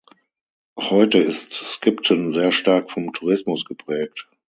Heute ist Skipton sehr stark vom Tourismus geprägt.